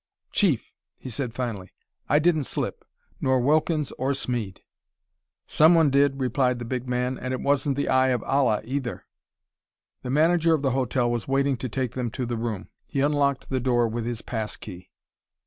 "Chief," he said finally. "I didn't slip nor Wilkins or Smeed." "Someone did," replied the big man, "and it wasn't the Eye of Allah, either." The manager of the hotel was waiting to take them to the room. He unlocked the door with his pass key.